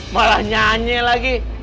malah nyanyi lagi